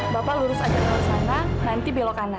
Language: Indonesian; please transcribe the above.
bapak lurus aja keluar sana nanti belok kanan